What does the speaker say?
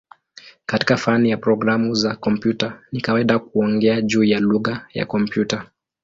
Katika fani ya programu za kompyuta ni kawaida kuongea juu ya "lugha ya kompyuta".